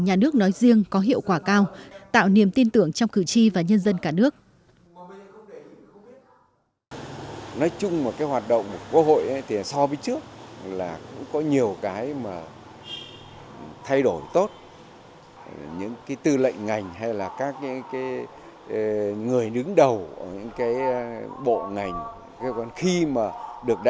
nhà nước nói riêng có hiệu quả cao tạo niềm tin tưởng trong cử tri và nhân dân cả nước